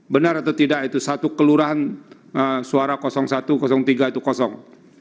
benar atau tidak itu satu kelurahan suara satu tiga itu kosong